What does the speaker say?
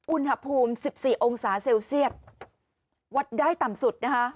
อุณหภูมิ๑๔องศาเซลเซียตวัดได้ต่ำสุดนะคะ